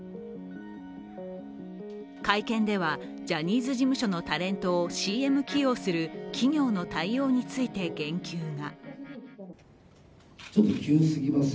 会見では、ジャニーズ事務所のタレントをＣＭ起用する企業の対応について言及が。